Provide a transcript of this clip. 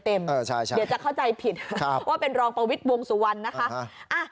เดี๋ยวจะเข้าใจผิดว่าเป็นรองประวิทย์วงสุวรรณนะคะ